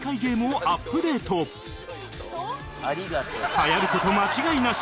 はやる事間違いなし！